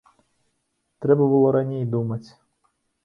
Трэба было раней думаць.